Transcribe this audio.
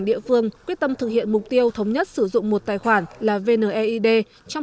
địa phương quyết tâm thực hiện mục tiêu thống nhất sử dụng một tài khoản là vne id trong